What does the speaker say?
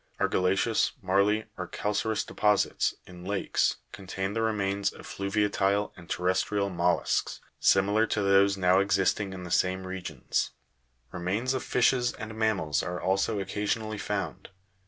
Argilla'ceous, marly, or calca'reous deposits, in lakes, contain the remains of fluviatile and terrestrial mollusks, similar to those now existing in the same regions. Remains of fishes and mammals are also occasionally found.